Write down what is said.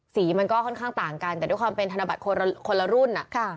สีมันก็ค่อนข้างต่างกันแต่ด้วยความเป็นธนบัตรคนละรุ่น